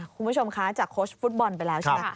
คุณผู้ชมคะจากโค้ชฟุตบอลไปแล้วใช่ไหม